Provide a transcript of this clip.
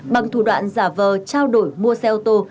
bằng thủ đoạn giả vờ trao đổi mua xe ô tô